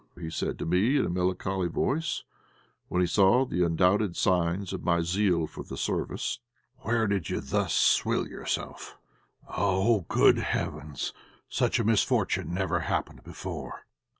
he said to me in a melancholy voice, when he saw the undoubted signs of my zeal for the service. "Where did you thus swill yourself? Oh! good heavens! such a misfortune never happened before."